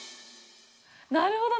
なるほどね！